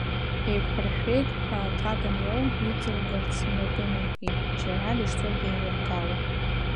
Еиқәҳаршәеит, ҳәа аҭак аниоу, иҵыргарц инапы неиҟьеит, џьара дышцоз деилыркаауа.